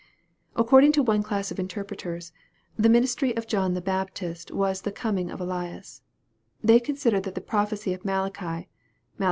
According to one class of interpreters, the ministry of John the Baptist was the coming of Elias. They consider that the prophecy of Malachi (Mai.